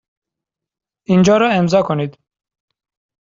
اینجا را امضا کنید.